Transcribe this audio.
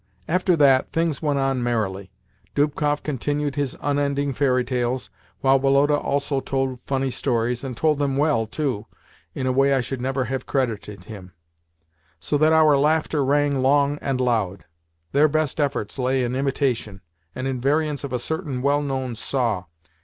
After that, things went on merrily. Dubkoff continued his unending fairy tales, while Woloda also told funny stories and told them well, too in a way I should never have credited him: so that our laughter rang long and loud. Their best efforts lay in imitation, and in variants of a certain well known saw.